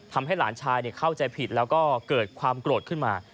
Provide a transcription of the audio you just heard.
ทำให้หลานชายเข้าใจผิดแล้วก็เกิดความโกรธขึ้นมา